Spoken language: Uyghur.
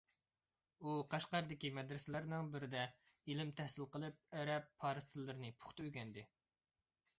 ئۇ قەشقەردىكى مەدرىسەلەرنىڭ بىرىدە ئىلىم تەھسىل قىلىپ، ئەرەب، پارس تىللىرىنى پۇختا ئۆگەندى.